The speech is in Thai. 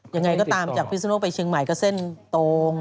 ยังไงก็ตามจากพิศนุโลกไปเชียงใหม่ก็เส้นตรง